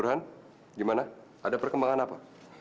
ada perkembangan apa